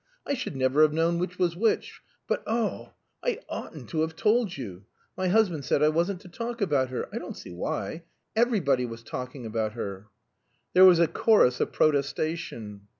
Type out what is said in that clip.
I should never have known which was which. But oh! I oughtn't to have told you. My husband said I wasn't to talk about her. I don't see why everybody was talking about her!" There was a chorus of protestation.